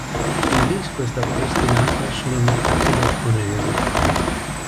Il disco è stato destinato al solo mercato giapponese.